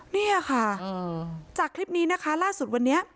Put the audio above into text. นี่ค่ะจากคลิปนี้นะคะล่าสุดวันนี้